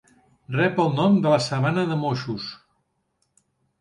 Rep el nom de la sabana de Moxos.